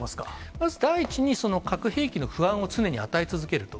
まず第１に核兵器の不安を常に与え続けると。